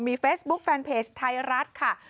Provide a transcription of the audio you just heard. เฟซบุ๊คแฟนเพจไทยรัฐค่ะ